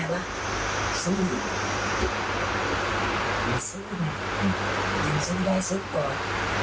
อย่างซึ่งได้ซึ่งก่อน